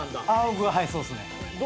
僕はいそうですね。